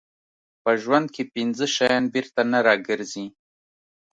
په ژوند کې پنځه شیان بېرته نه راګرځي.